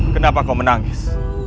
kenapa kau menangis